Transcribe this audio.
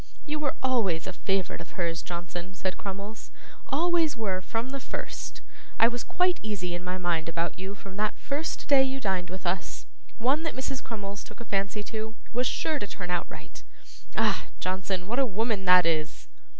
'You were always a favourite of hers, Johnson,' said Crummles, 'always were from the first. I was quite easy in my mind about you from that first day you dined with us. One that Mrs. Crummles took a fancy to, was sure to turn out right. Ah! Johnson, what a woman that is!